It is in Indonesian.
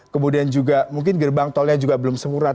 kemudian juga mungkin gerbang tolnya juga belum semurah